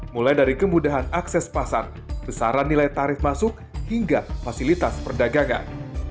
mulai dari kemudahan akses pasar besaran nilai tarif masuk hingga fasilitas perdagangan